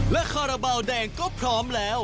และคาราบาลแดงก็พร้อมแล้ว